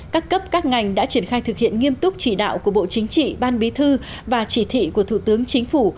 các cấp các ngành đã triển khai thực hiện nghiêm túc chỉ đạo của bộ chính trị ban bí thư và chỉ thị của thủ tướng chính phủ